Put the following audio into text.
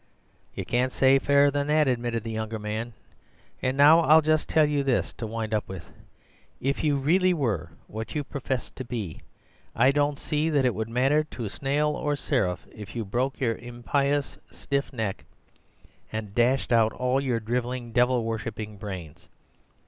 "'You can't say fairer than that,' admitted the younger man, 'and now I'll just tell you this to wind up with. If you really were what you profess to be, I don't see that it would matter to snail or seraph if you broke your impious stiff neck and dashed out all your drivelling devil worshipping brains.